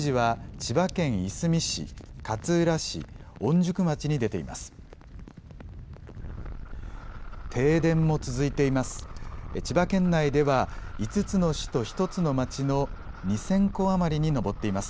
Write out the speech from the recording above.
千葉県内では５つの市と１つの町の２０００戸余りに上っています。